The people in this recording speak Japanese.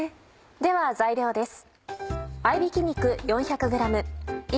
では材料です。